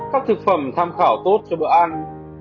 các thực phẩm tham khảo tốt cho bữa ăn